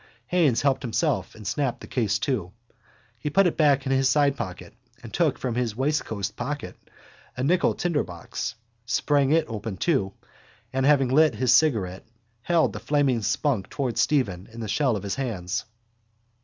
Haines helped himself and snapped the case to. He put it back in his sidepocket and took from his waistcoatpocket a nickel tinderbox, sprang it open too, and, having lit his cigarette, held the flaming spunk towards Stephen in the shell of his hands.